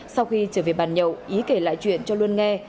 sau khi trở về bàn nhậu ý kể lại chuyện cho luân nghe